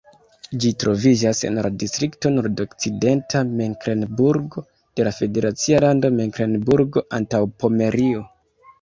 Ĝi troviĝas en la distrikto Nordokcidenta Meklenburgo de la federacia lando Meklenburgo-Antaŭpomerio.